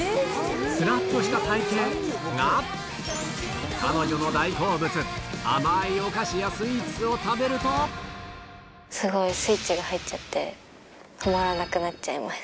すらっとした体形、が、彼女の大好物、甘いお菓子やスイーツを食すごいスイッチが入っちゃって、止まらなくなっちゃいます。